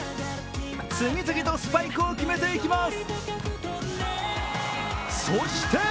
次々とスパイクを決めていきます。